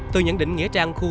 từ những định nghĩa trang khu